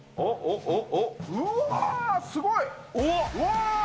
うわー、すごい。